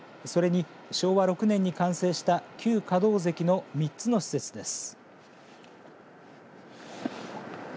それに昭和６年に完成した旧可動堰の３つの施設です。